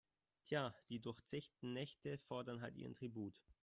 Tja, die durchzechten Nächte fordern halt ihren Tribut.